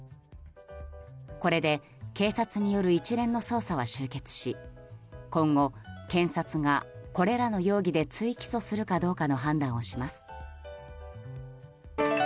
これで警察による一連の捜査は終結し今後、検察がこれらの容疑で追起訴するかどうかの判断をします。